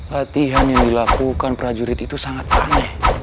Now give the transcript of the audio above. latihan yang dilakukan prajurit itu sangat aneh